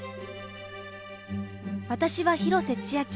私は広瀬千明。